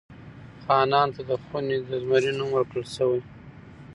خانان ته د خوني زمري نوم ورکړل شوی.